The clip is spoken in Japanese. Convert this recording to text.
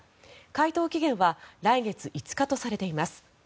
回答期限は来月５日とされています。